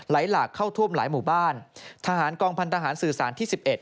หลากเข้าท่วมหลายหมู่บ้านทหารกองพันธหารสื่อสารที่สิบเอ็ด